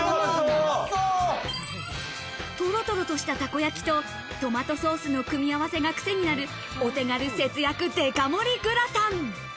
とろとろとした、たこ焼きとトマトソースの組み合わせがクセになる、お手軽節約デカ盛りグラタン。